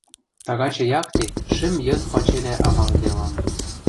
тагачы якте шӹм йыд пачелӓ амалыделам...